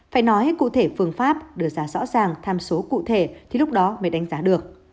phải nói cụ thể phương pháp đưa ra rõ ràng tham số cụ thể thì lúc đó mới đánh giá được